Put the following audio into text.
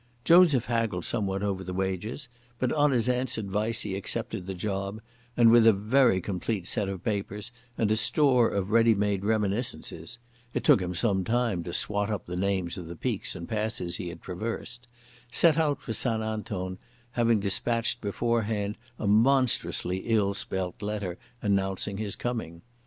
Joseph haggled somewhat over the wages, but on his aunt's advice he accepted the job, and, with a very complete set of papers and a store of ready made reminiscences (it took him some time to swot up the names of the peaks and passes he had traversed) set out for St Anton, having dispatched beforehand a monstrously ill spelt letter announcing his coming.